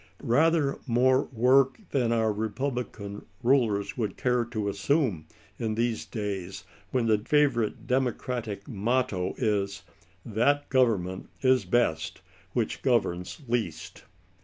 Rather more work than our republican rulers would care to assume, in these days when the favorite democratic motto is, *Uhat government is best which governs least."